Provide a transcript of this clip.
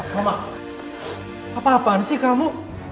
mama apa apaan sih kamu